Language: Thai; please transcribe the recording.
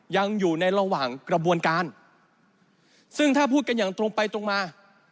ยังอยู่ในระหว่างกระบวนการซึ่งถ้าพูดกันอย่างตรงไปตรงมา